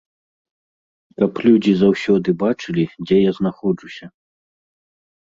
Каб людзі заўсёды бачылі, дзе я знаходжуся.